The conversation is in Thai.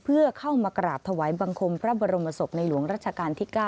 เพื่อเข้ามากราบถวายบังคมพระบรมศพในหลวงรัชกาลที่๙